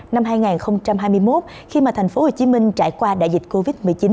năm hai nghìn hai mươi một khi mà thành phố hồ chí minh trải qua đại dịch covid một mươi chín